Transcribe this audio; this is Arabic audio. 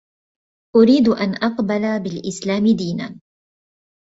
أريد أن أقبل بالإسلام دينا.